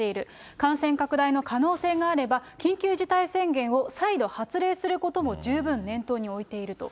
感染拡大の可能性があれば、緊急事態宣言を再度発令することも十分念頭に置いていると。